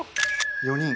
４人。